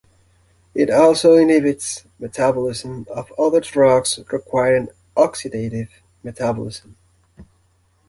It also inhibits metabolism of other drugs requiring oxidative metabolism.